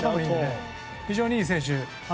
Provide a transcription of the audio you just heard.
非常にいい選手。